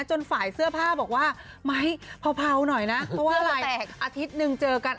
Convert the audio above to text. จนฝ่ายเสื้อผ้าบอกว่าไม้เผาหน่อยนะเพราะว่าอะไรแตกอาทิตย์หนึ่งเจอกัน